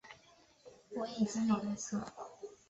我已经有对策